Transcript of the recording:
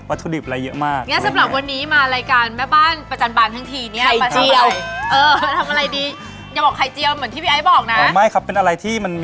อะไรเท่าไหร่เอ่ย